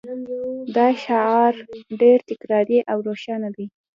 دا شعار ډیر تکراري او روښانه دی